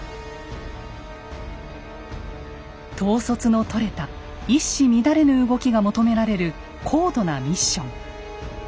統率のとれた一糸乱れぬ動きが求められる高度なミッション。